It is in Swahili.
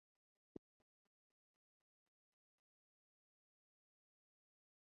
Hapa aliendelea kuandika hadi safari yake ya mwisho.